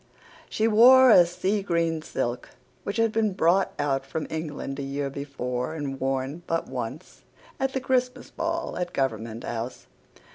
She wore the sea green silk which had been brought out from England a year before and worn but once at the Christmas ball at Government House.